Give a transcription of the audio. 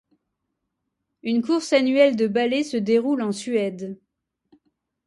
Une course annuelle de balai se déroule en Suède.